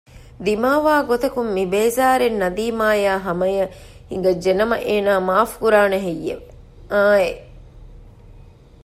ދިމާވާގޮތަކުން މިބޭޒާރެއް ނަދީމާއާ ހަމަޔަށް ހިނގައްޖެ ނަމަ އޭނާ މާފުކުރާނެ ހެއްޔެވެ؟ އާއެނއް